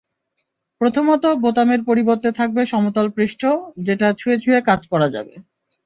প্রথমত, বোতামের পরিবর্তে থাকবে সমতল পৃষ্ঠ, যেটা ছুঁয়ে ছুঁয়ে কাজ করা যাবে।